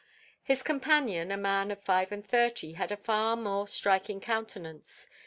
His companion, a man of five and thirty, had a far more striking countenance.